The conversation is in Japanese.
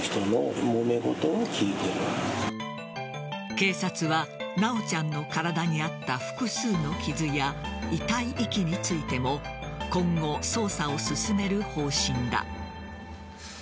警察は修ちゃんの体にあった複数の傷や遺体遺棄についても今後、捜査を進める方針だ。